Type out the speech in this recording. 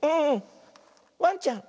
ワンちゃん。